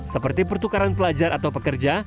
seperti pertukaran pelajar atau pekerja